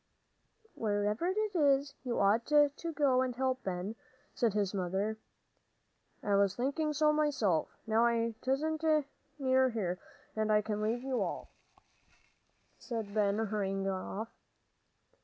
"Wherever it is, you ought to go and help, Ben," said his mother. "I was thinking so myself, now I know 'tisn't near here, and I can leave you all," said Ben, hurrying off.